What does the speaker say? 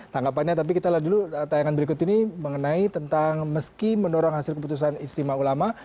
tanggapannya tapi kita lihat dulu tayangan berikut ini mengenai tentang meski mendorong hasil keputusan istimewa ulama